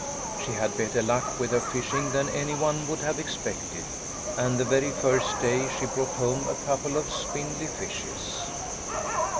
She had better luck with her fishing than any one would have expected, and the very first day she brought home a couple of spindly fishes.